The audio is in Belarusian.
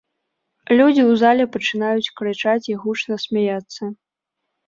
Людзі ў зале пачынаюць крычаць і гучна смяяцца.